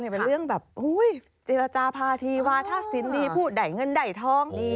๖๒๙เป็นเรื่องแบบเจรจาภาธีวาทัศิลป์ดีพูดไหนเงินไหนท้องดี